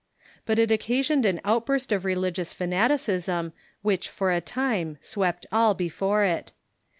But it occasioned an outburst of religious fanaticism AvhicU for a time swept all before it.